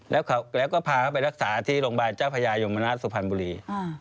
แล้วก็พาเขาไปรักษาที่โรงพยาบาลเจ้าพญายมนาศสุพรรณบุรี